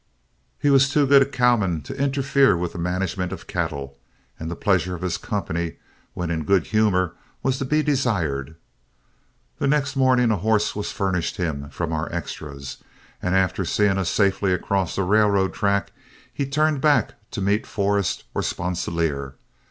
He was too good a cowman to interfere with the management of cattle, and the pleasure of his company, when in good humor, was to be desired. The next morning a horse was furnished him from our extras, and after seeing us safely across the railroad track, he turned back to meet Forrest or Sponsilier.